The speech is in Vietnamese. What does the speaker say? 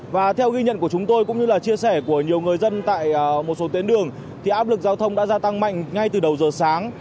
và theo ghi nhận của chúng tôi cũng như là chia sẻ của nhiều người dân tại một số tuyến đường thì áp lực giao thông đã gia tăng mạnh ngay từ đầu giờ sáng